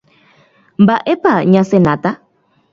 Mba'épa ñasenáta.